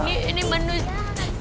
ini ini menurutmu